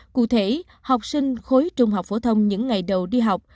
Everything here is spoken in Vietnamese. cụ thể học sinh khối trung học phổ thông những ngày đầu đi học